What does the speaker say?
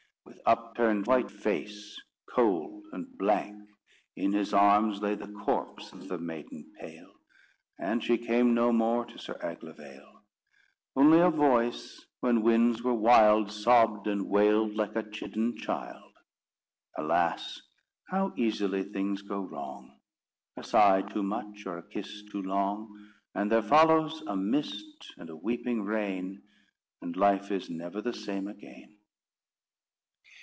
With upturn'd white face, cold and blank, In his arms lay the corpse of the maiden pale, And she came no more to Sir Aglovaile. Only a voice, when winds were wild, Sobbed and wailed like a chidden child. _Alas, how easily things go wrong! A sigh too much, or a kiss too long, And there follows a mist and a weeping rain, And life is never the same again.